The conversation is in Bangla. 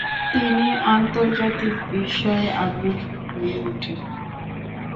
তিনি আন্তর্জাতিক বিষয়ে আগ্রহী হয়ে ওঠেন।